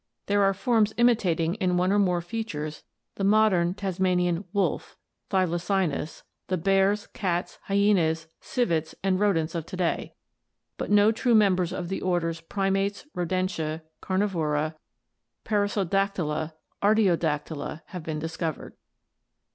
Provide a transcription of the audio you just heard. There are forms imitating in one or more features the modern Tasmanian 'wolf' (Tkylacynus), the bears, cats, hyaenas, civets, and rodents of to day, but no true members of the orders Primates, Rodentia, Carnivora, Perissodactyla, Artiodactyla have been discovered."